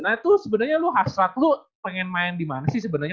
nah itu sebenarnya lo hasrat lo pengen main di mana sih sebenarnya